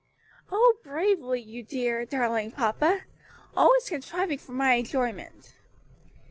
"Oh, bravely, you dear darling papa! always contriving for my enjoyment."